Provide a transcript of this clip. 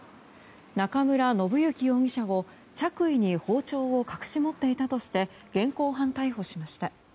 中村信之容疑者を着衣に包丁を隠し持っていたとして現行犯逮捕しました。